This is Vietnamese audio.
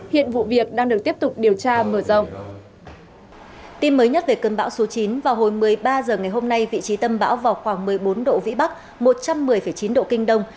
hiện vụ việc đang được tiếp tục điều tra mở rộng